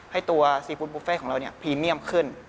ให้ตัวซีฟู้ดบุฟเฟ่ของเราพรีเมียมขึ้น